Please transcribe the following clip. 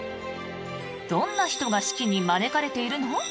どんな人が式に招かれているの？